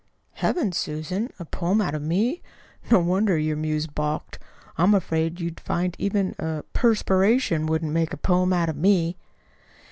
"Heavens, Susan! A poem out of me? No wonder your muse balked! I'm afraid you'd find even er perspiration wouldn't make a poem out of me."